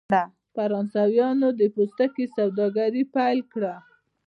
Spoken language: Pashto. فرانسویانو د پوستکي سوداګري پیل کړه.